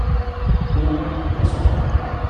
Oh ! dans cent ans …!